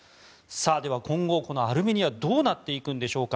では、今後、アルメニアはどうなっていくんでしょうか。